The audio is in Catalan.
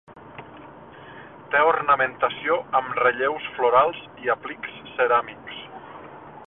Té ornamentació amb relleus florals i aplics ceràmics.